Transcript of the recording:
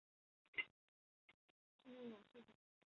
现任董事长为温世仁长子温泰钧。